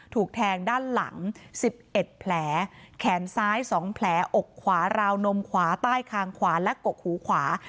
ถูกแทงด้านหลัง๑๑แผลแขนซ้าย๒แผลอกขวาราวนมขวาใต้คางขวาและกกหูขวา